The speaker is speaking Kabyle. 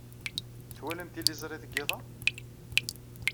Twalam tiliẓri deg yiḍ-a?